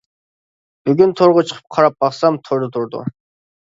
بۈگۈن تورغا چىقىپ قاراپ باقسام توردا تۇرىدۇ.